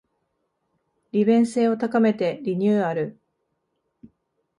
利便性を高めてリニューアル